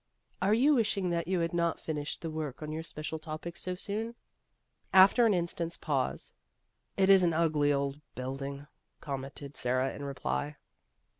" Are you wishing that you had not finished the work on your special topic so soon ?" After an instant's pause, " It is an ugly old building," commented Sara in reply.